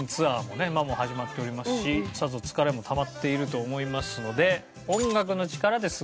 もう始まっておりますしさぞ疲れもたまっていると思いますので。